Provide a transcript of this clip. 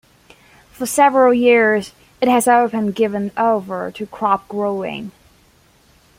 For several years it has been given over to crop growing.